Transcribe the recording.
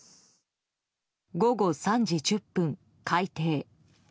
午後３時１０分、開廷。